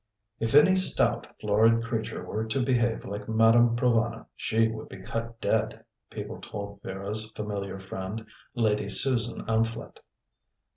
"If any stout, florid creature were to behave like Madame Provana, she would be cut dead," people told Vera's familiar friend, Lady Susan Amphlett.